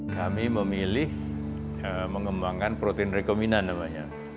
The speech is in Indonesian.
kami memilih mengembangkan protein rekombinan namanya